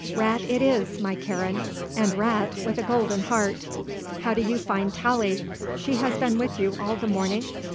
Rat it is, my Karen; and rat with a golden heart. How do you find Tallie? She has been with you all the morning?